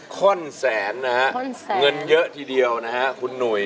ฆ่นแสนเงินเยอะทีเดียวนะฮะคุณหนุย